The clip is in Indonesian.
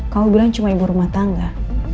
kalau bilang cuma ibu rumah tangga